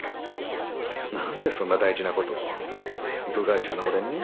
何でそんな大事なことを部外者の俺に？